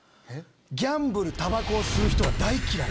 「ギャンブルタバコを吸う人は大嫌い」。